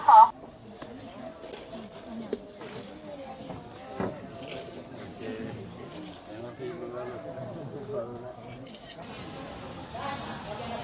ขอบคุณครับ